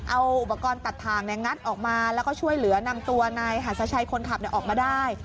เอาอุปกรณ์ตัดทางงัดออกมาแล้วก็ช่วยเหลือนำตัวนายหัสชัยคนขับออกมาได้